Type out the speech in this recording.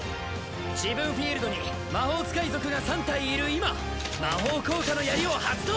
自分フィールドに魔法使い族が３体いる今魔法効果の槍を発動！